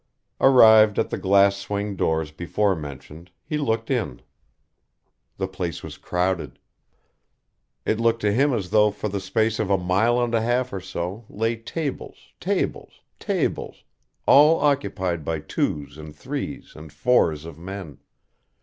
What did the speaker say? Arrived at the glass swing doors before mentioned, he looked in. The place was crowded. It looked to him as though for the space of a mile and a half or so, lay tables, tables, tables, all occupied by twos and threes and fours of men.